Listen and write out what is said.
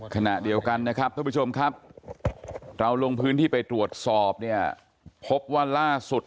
ขณะเดียวกันนะครับท่านผู้ชมครับเราลงพื้นที่ไปตรวจสอบเนี่ยพบว่าล่าสุด